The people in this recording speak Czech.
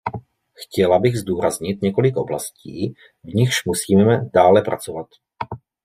Chtěla bych zdůraznit několik oblastí, v nichž musíme dále pracovat.